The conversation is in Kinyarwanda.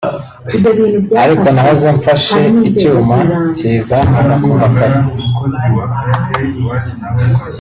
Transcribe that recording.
"Ariko nahoze mfashe icyuma kiyizamura kuva kare"